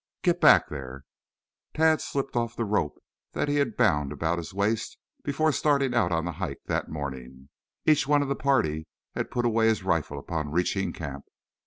"Get back there!" Tad slipped off the rope that he had bound about his waist before starting out on the hike that morning. Each one of the party had put away his rifle upon reaching camp.